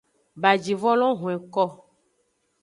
Bajivon lo hwenko.